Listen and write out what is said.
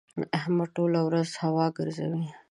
احمد ټوله ورځ هوا ګزوي.